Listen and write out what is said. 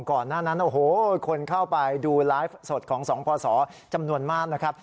ก่อนหน้านั้นโอ้โหคนเข้าไปดูไลฟ์สดของสองพศจำนวนมากนะครับ